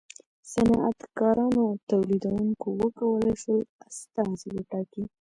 صنعتکارانو او تولیدوونکو و کولای شول استازي وټاکي.